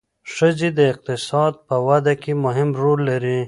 ښځې د اقتصاد په وده کې مهم رول لري.